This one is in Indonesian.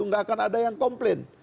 nggak akan ada yang komplain